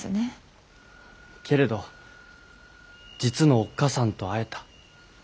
けれど実のおっかさんと会えた。